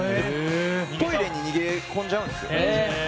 トイレに逃げ込んじゃうんですよ。